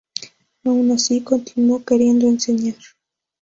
Aun así, continuó queriendo enseñar.